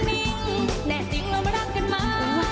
แน่จริงเรามารักกันมา